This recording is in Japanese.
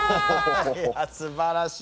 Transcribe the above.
いやすばらしい。